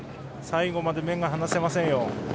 最後まで目が離せませんよ。